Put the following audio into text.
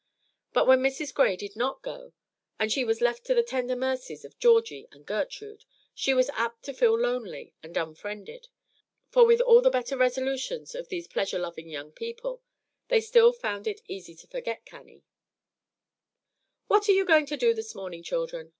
But when Mrs. Gray did not go, and she was left to the tender mercies of Georgie and Gertrude, she was apt to feel lonely and unfriended; for with all the better resolutions of these pleasure loving young people, they still found it "easy to forget Cannie." "What are you going to do this morning, children?"